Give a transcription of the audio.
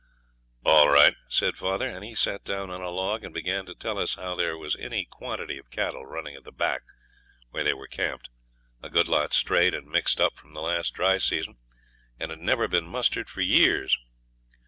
'All right,' says father, and he sat down on a log, and began to tell us how there was any quantity of cattle running at the back where they were camped a good lot strayed and mixed up, from the last dry season, and had never been mustered for years.